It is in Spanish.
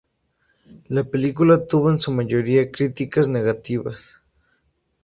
La película tuvo en su mayoría críticas negativas.